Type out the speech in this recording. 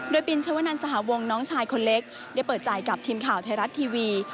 โดยปินชวนันสหวงน้องชายคนเล็กได้เปิดใจกับทีมข่าวไทยรัฐทีวี